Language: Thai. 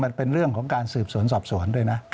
มันเป็นเรื่องของการสืบสวนสอบสวนด้วยนะ